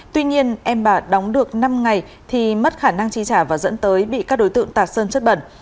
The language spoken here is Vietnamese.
tuy nhiên em bà đóng được năm ngày thì mất khả năng chi trả và dẫn tới bị các đối tượng tạc sơn chất bẩn